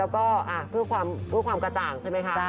เพื่อประสานกระจ่างใช่ไหมคะ